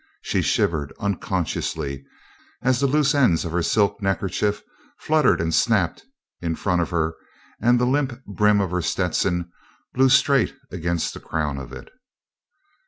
She shivered unconsciously as the loose ends of her silk neckerchief fluttered and snapped in front of her and the limp brim of her Stetson blew straight against the crown of it.